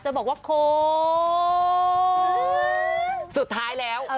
จะบอกว่าโค้ว